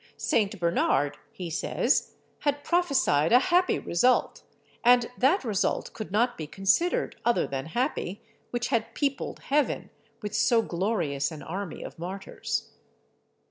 St. Bernard, he says, had prophesied a happy result, and that result could not be considered other than happy which had peopled heaven with so glorious an army of martyrs.